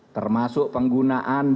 termasuk penggunaan dan penggunaan